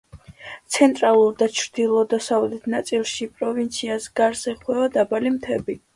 ცენტრალურ და ჩრდილო-დასავლეთ ნაწილში, პროვინციას გარს ეხვევა დაბალი მთები.